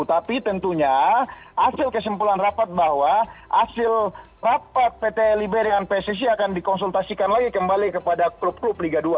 tapi tentunya hasil kesimpulan rapat bahwa hasil rapat pt libe dengan pssi akan dikonsultasikan lagi kembali kepada klub klub liga dua